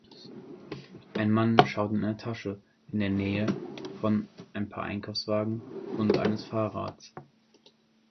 Ein Mann schaut in eine Tasche in der Nähe von ein paar Einkaufswagen und eines Fahrrads.